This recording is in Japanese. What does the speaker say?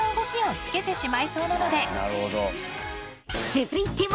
続いては。